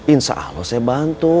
insya allah saya bantu